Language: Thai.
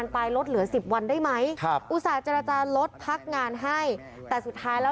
ไปลดเหลือสิบวันได้ไหมครับอุตส่าห์เจรจาลดพักงานให้แต่สุดท้ายแล้ว